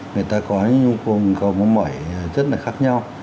người ta có những nhu cầu mong mỏi rất là khác nhau